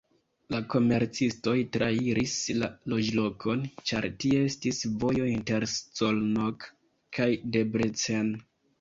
La komercistoj trairis la loĝlokon, ĉar tie estis vojo inter Szolnok kaj Debrecen.